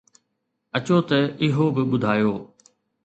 اچو ته اهو به ٻڌايو